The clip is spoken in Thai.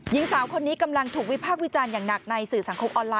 หญิงสาวคนนี้กำลังถูกวิพากษ์วิจารณ์อย่างหนักในสื่อสังคมออนไลน